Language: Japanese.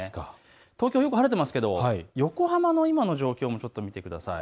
東京、よく晴れてますけど、横浜の今の状況も見てください。